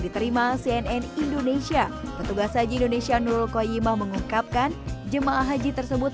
diterima cnn indonesia petugas haji indonesia nurul koyimah mengungkapkan jemaah haji tersebut